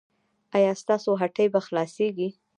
ایا ستاسو هټۍ به خلاصیږي؟